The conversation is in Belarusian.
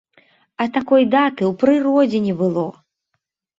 А такой даты ў прыродзе не было!